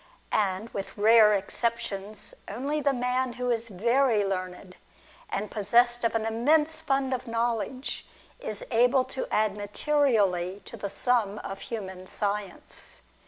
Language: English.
And, with rare exceptions, only the man who is very learned, and possessed of an immense fund of knowledge, is able to add materially to the sum of human science.